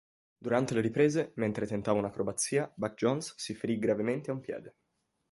Durante le riprese, mentre tentava un'acrobazia, Buck Jones si ferì gravemente a un piede.